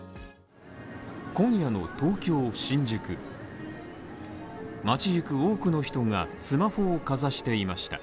今夜の東京・新宿街ゆく多くの人がスマホをかざしていました。